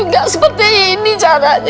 gak seperti ini caranya